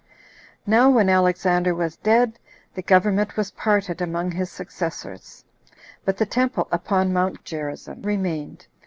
7. Now when Alexander was dead, the government was parted among his successors, but the temple upon Mount Gerizzim remained.